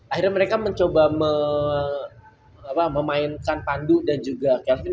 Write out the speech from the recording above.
akhirnya mereka mencoba memainkan pandu dan juga kevin